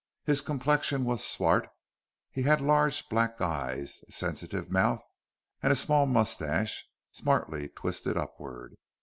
His complexion was swart; he had large black eyes, a sensitive mouth, and a small moustache smartly twisted upward.